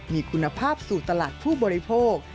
มีคุณภาพสู่ตลาดผู้บริโภค